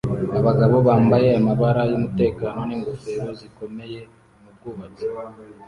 Abagabo bambaye amabara yumutekano ningofero zikomeye mubwubatsi